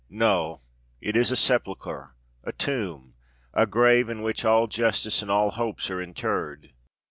—no—it is a sepulchre—a tomb—a grave in which all justice and all hopes are interred!